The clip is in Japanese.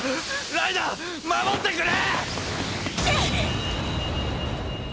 ライナー守ってくれ！！